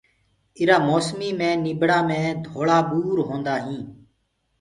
اِيرآ موسميٚ مي نيٚڀڙآ مي ڌوݪآ ٻور هونٚدآ هينٚ